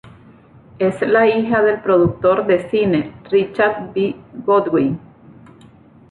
Es la hija del productor de cine, "Richard B. Goodwin".